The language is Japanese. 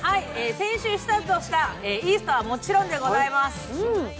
先週スタートしたイースターはもちろんでございます。